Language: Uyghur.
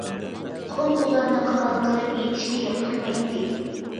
قۇم ئۇلارنى قامال قىلىپ يېتىشنى ياقتۇرمايتتى.